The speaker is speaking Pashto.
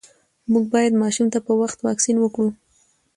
مور باید ماشوم ته په وخت واکسین وکړي۔